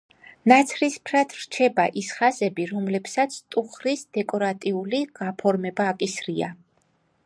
ნაცრისფრად რჩება ის ხაზები, რომლებსაც ტუღრის დეკორატიული გაფორმება აკისრია.